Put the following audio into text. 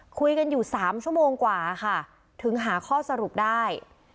คุยกันอยู่๓ชั่วโมงกว่าค่ะถึงหาข้อสรุปได้